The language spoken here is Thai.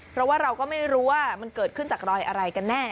เพราะว่าเราก็ไม่รู้ว่ามันเกิดขึ้นจากรอยอะไรกันแน่